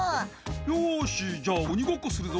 「よしじゃあ鬼ごっこするぞ」